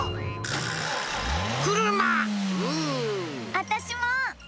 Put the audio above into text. あたしも！